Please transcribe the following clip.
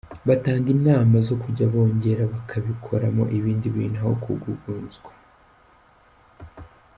Batanga inama zo kujya bongera bakabikoramo ibindi bintu aho kugugunzwa.